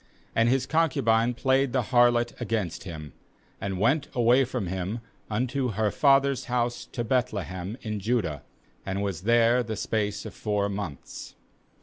2And his concubine played the harlot against him, and went away from him unto her father's house to Beth lehem in Judah, and was there the space of four months.